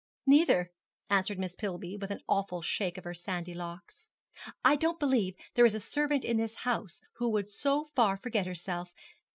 'Neither,' answered Miss Pillby, with an awful shake of her sandy locks; 'I don't believe there is a servant in this house who would so far forget herself.